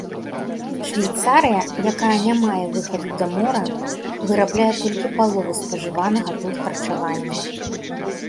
Швейцарыя, якая не мае выхаду да мора, вырабляе толькі палову спажыванага тут харчавання.